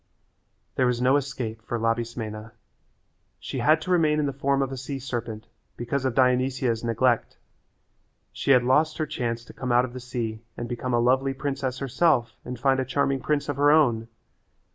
There was no escape for Labismena. She had to remain in the form of a sea serpent because of Dionysia's neglect. She had lost her chance to come out of the sea and become a lovely princess herself and find a charming prince of her own.